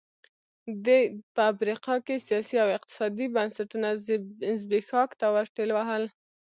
دې په افریقا کې سیاسي او اقتصادي بنسټونه زبېښاک ته ورټېل وهل.